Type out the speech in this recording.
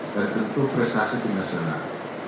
dan tentu prestasi di nasional